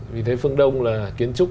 vì thế phương đông là kiến trúc